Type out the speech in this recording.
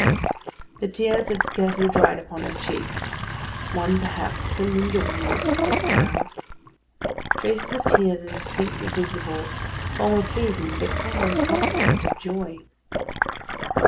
The tears had scarcely dried upon her cheeks; one perhaps still lingered in the midst of her smiles. Traces of tears indistinctly visible form a pleasing but sombre accompaniment of joy.